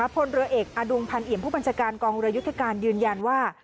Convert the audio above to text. พลเรือเอกอดุงพันเอี่ยมผู้บัญชาการกองเรือยุทธการยืนยันว่า